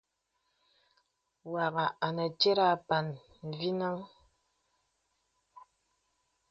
Wàghà anə tìt àpàn mvinəŋ.